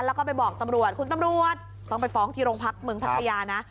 แล้วก็ไปบอกตำรวจคุณตำรวจต้องไปฟ้องที่โรงพักเมืองพัทยานะ